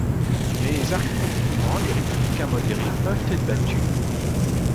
Mais arithmétiquement les républicains modérés peuvent être battus.